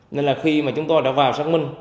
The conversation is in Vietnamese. nên là khi mà chúng tôi đã vào xác minh